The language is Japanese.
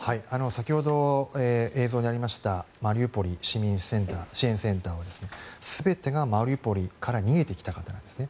先ほど映像にありましたマリウポリ支援センターは全てがマリウポリから逃げてきた方なんです。